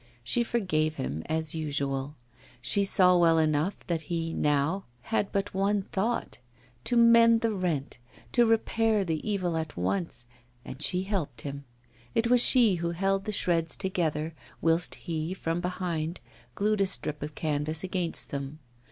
She forgave him as usual. She saw well enough that he now had but one thought to mend the rent, to repair the evil at once; and she helped him; it was she who held the shreds together, whilst he from behind glued a strip of canvas against them.